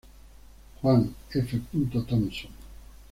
Juan F. Thomson.